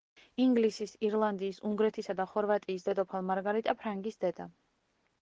ინგლისის, ირლანდიის, უნგრეთისა და ხორვატიის დედოფალ მარგარიტა ფრანგის დედა.